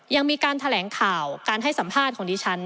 ยังมีการแถลงข่าวการให้สัมภาษณ์ของดิฉัน